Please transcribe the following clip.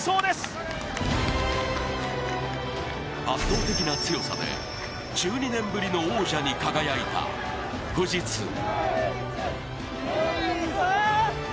圧倒的な強さで１２年ぶりの王者に輝いた富士通。